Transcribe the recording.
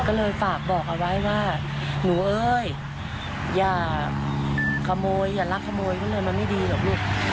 ก็เลยฝากบอกเอาไว้ว่าหนูเอ้ยอย่าลักขโมยก็เลยมันไม่ดีหรอกลูก